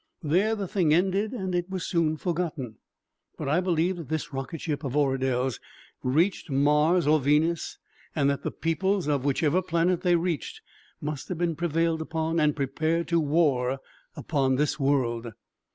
There the thing ended and it was soon forgotten. But I believe that this rocket ship of Oradel's reached Mars or Venus and that the peoples of whichever planet they reached have been prevailed upon and prepared to war upon the world."